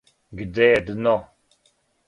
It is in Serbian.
Где је дно?